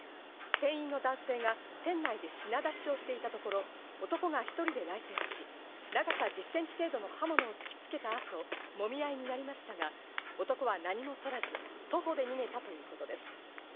店員の男性が店内で品出しをしていたところ、男が１人で来店し、長さ１０ｃｍ程度の刃物を突きつけた後、もみ合いになりましたが、男は何も取らず、徒歩で逃げたということです。